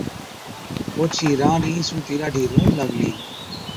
اوڇِي رانڏ اِين سُڻتِي ڏاڍِي روئُون لاگلِي،